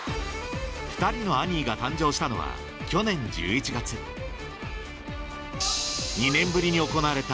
２人のアニーが誕生したのは去年１１月やめて！